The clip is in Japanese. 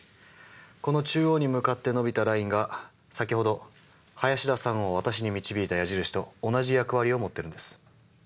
この中央に向かって伸びたラインが先ほど林田さんを私に導いた矢印と同じ役割を持ってるんです。